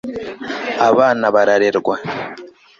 abana bararerwa